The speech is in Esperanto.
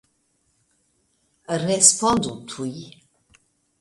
Respondu tuj!